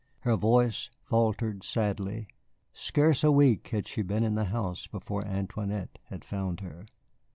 Her voice faltered sadly. Scarce a week had she been in the house before Antoinette had found her.